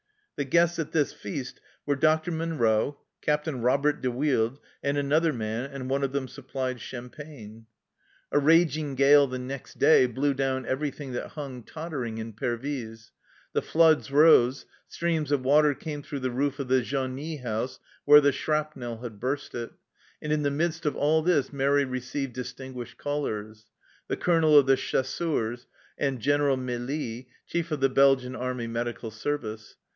The guests at this feast were Dr. Munro, Captain Robert de Wilde, and another man, and one of them supplied champagne. 188 THE CELLAR HOUSE OF PERVYSE A raging gale the next day blew down every thing that hung tottering in Pervyse ; the floods rose, streams of water came through the roof of the genie house where the shrapnel had burst it, and in the midst of all this Mairi received distinguished callers the Colonel of the Chasseurs and General Melis, Chief of the Belgian Army Medical Service.